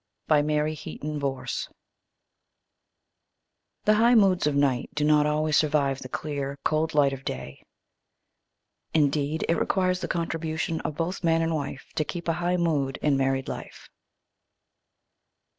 BY MARY HEATON VORSE The high moods of night do not always survive the clear, cold light of day. Indeed it requires the contribution of both man and wife to keep a high mood in married life.